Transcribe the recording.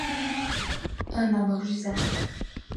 — Ьына мөғжизә!